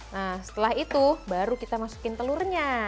nah setelah itu baru kita masukin telurnya